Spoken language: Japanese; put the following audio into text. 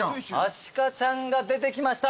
アシカちゃんが出てきました。